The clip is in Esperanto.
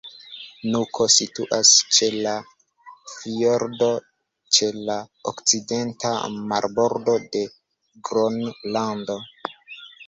Nuko situas ĉe la fjordo ĉe la okcidenta marbordo de Gronlando.